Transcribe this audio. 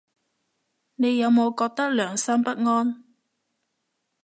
你有冇覺得良心不安